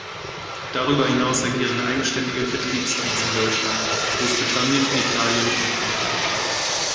Darüber hinaus agieren eigenständige Vertriebs-Teams in Deutschland, Großbritannien, Italien und Frankreich.